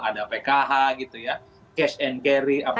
ada pkh cash and carry apa yang bisa mereka dapatkan